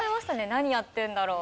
何やってるんだろう？